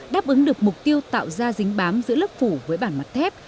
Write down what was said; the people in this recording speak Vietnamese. đáp ứng được mục tiêu tạo ra dính bám giữa lớp phủ với bản mặt thép